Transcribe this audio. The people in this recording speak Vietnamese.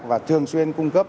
và thường xuyên cung cấp